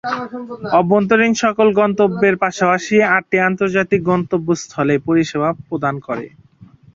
আভ্যন্তরীণ সকল গন্তব্যের পাশাপাশি আটটি আন্তর্জাতিক গন্তব্যস্থলে পরিসেবা প্রদান করে।